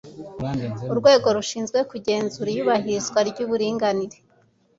urwego rushinzwe kugenzura iyubahirizwa ry'uburinganire